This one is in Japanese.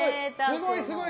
すごいすごい。